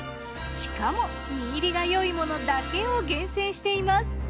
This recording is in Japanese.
しかも身入りがよいものだけを厳選しています。